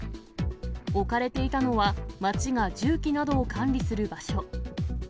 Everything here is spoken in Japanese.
置かれていたのは、町が重機などを管理する場所。